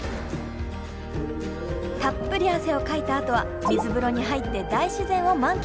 たっぷり汗をかいたあとは水風呂に入って大自然を満喫。